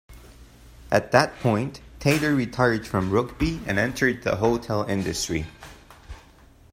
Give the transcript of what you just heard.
At that point, Taylor retired from Rugby and entered the hotel industry.